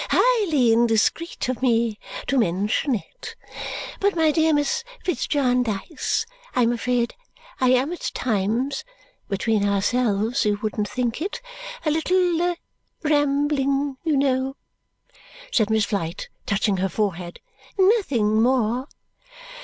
Highly indiscreet of me to mention it; but my dear Miss Fitz Jarndyce, I am afraid I am at times (between ourselves, you wouldn't think it) a little rambling you know," said Miss Flite, touching her forehead. "Nothing more."